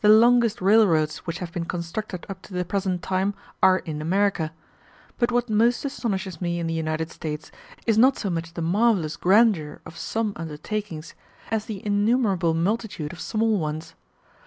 The longest railroads which have been constructed up to the present time are in America. But what most astonishes me in the United States, is not so much the marvellous grandeur of some undertakings, as the innumerable multitude of small ones.